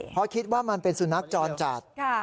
เพราะคิดว่ามันเป็นสุนัขจรจัด